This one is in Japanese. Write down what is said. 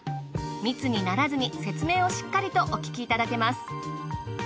密にならずに説明をしっかりとお聞きいただけます。